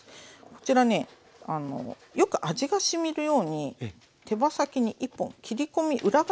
こちらねよく味がしみるように手羽先に１本切り込み裏側にね入れていきます。